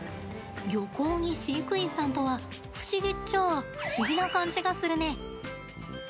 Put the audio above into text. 漁港に飼育員さんとは不思議っちゃあ不思議な感じがするね。